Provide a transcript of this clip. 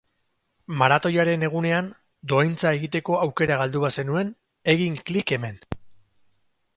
Maratoiaren egunean dohaintza egiteko aukera galdu bazenuen, egin klik hemen!